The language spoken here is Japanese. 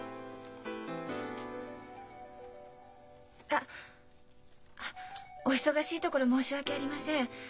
あっお忙しいところ申し訳ありません。